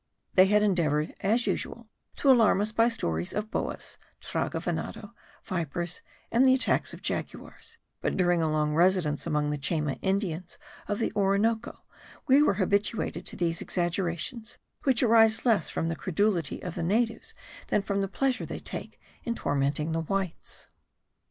They had endeavoured, as usual, to alarm us by stories of boas (traga venado), vipers and the attacks of jaguars; but during a long residence among the Chayma Indians of the Orinoco we were habituated to these exaggerations, which arise less from the credulity of the natives, than from the pleasure they take in tormenting the whites.